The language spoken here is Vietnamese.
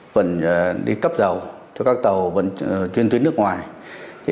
phần đi cấp dầu cho các tàu chuyên tuyến nước ngoài